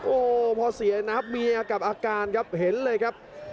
โอ้พอสี่อันทรัพย์มีอากาศครับเห็นเลยครับ